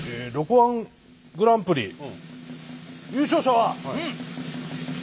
Ｌｏｃｏ−１グランプリ優勝者は。